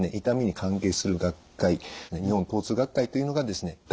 痛みに関係する学会日本疼痛学会というのがですね